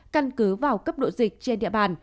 căn cứ vào cấp độ dịch trên địa bàn